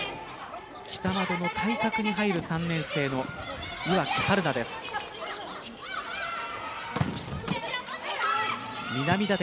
北窓の対角に入る３年生の岩城遥南です。